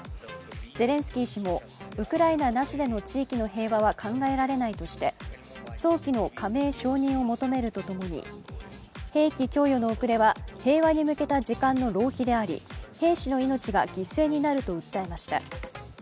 ゼレンスキー氏も、ウクライナなしでの地域の平和は考えられないとして早期の加盟承認を求めるとともに兵器供与の遅れは平和に向けた時間の浪費であり兵士の命が犠牲になると訴えました。